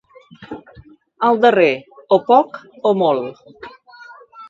Al darrer, o poc o molt.